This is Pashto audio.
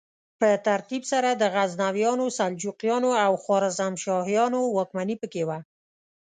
په ترتیب سره د غزنویانو، سلجوقیانو او خوارزمشاهیانو واکمني پکې وه.